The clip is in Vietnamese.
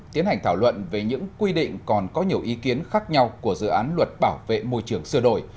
tiến hành thảo luận về những quy định còn có nhiều ý kiến khác nhau của dự án luật bảo vệ môi trường sửa đổi